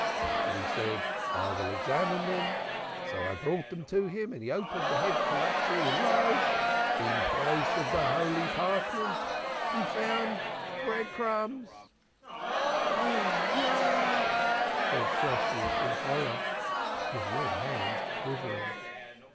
But he said, 'I will examine them.' So I brought them to him and he opened the head phylactery and lo! in place of the holy parchment he found bread crumbs." "Hoi, hoi," said Shosshi in horror, his red hands quivering.